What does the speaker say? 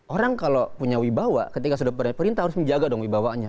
orang kalau punya wibawa ketika sudah perintah harus menjaga dong wibawanya